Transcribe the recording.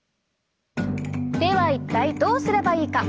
では一体どうすればいいか？